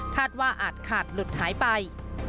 ว่าอาจขาดหลุดหายไป